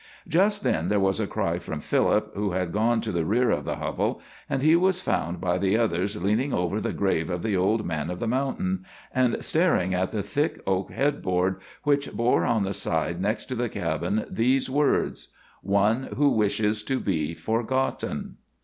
Just then there was a cry from Philip, who had gone to the rear of the hovel; and he was found by the others leaning over the grave of the old man of the mountain, and staring at the thick oak headboard, which bore on the side next the cabin these words: ONE WHO WISHES TO BE FORGOTTEN.